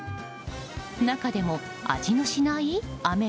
中でも、味のしない？